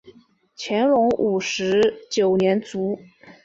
乾隆五十九年卒。